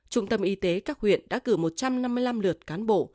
trung tâm y tế các huyện đã cử một trăm năm mươi năm lượt cán bộ